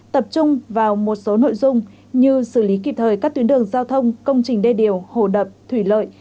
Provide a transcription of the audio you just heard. tập trung vào một số nội dung như xử lý kịp thời các tuyến đường giao thông công trình đê điều hồ đập thủy lợi